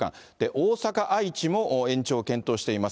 大阪、愛知も延長を検討しています。